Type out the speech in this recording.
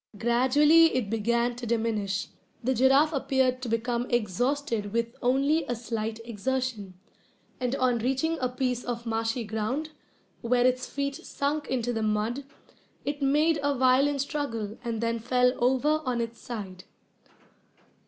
Gradually it began to diminish. The giraffe appeared to become exhausted with only a slight exertion; and on reaching a piece of marshy ground, where its feet sunk into the mud, it made a violent struggle and then fell over on its side.